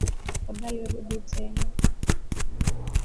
Tafadhali rudi tena